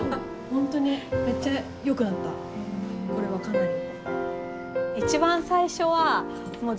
ホントにめっちゃ良くなったこれはかなり。